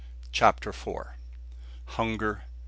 CHAPTER FOUR. HUNGER.